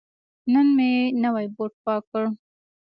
نن مې نوی بوټ پاک کړ.